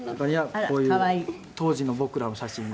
「こういう当時の僕らの写真が」